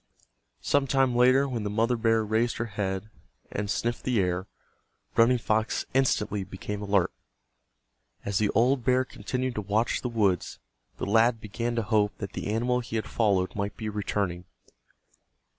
Some time later when the mother bear raised her head and sniffed the air, Running Fox instantly became alert. As the old bear continued to watch the woods, the lad began to hope that the animal he had followed might be returning.